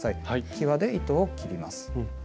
きわで糸を切ります。